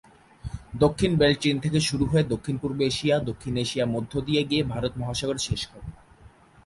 দক্ষিণ বেল্ট চীন থেকে শুরু হয়ে দক্ষিণ-পূর্ব এশিয়া, দক্ষিণ এশিয়া মধ্য দিয়ে গিয়ে ভারত মহাসাগরে শেষ হবে।